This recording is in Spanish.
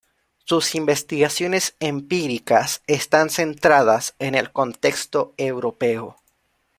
Sus investigaciones empíricas están centradas en el contexto europeo.